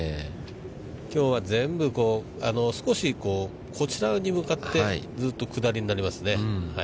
きょうは、全部、少しこちらに向かってずっと下りになりますね。